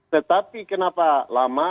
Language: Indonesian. tetapi kenapa lama